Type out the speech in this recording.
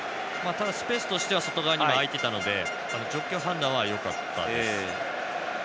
ただ、スペースとしては外側も空いていたので状況判断はよかったです。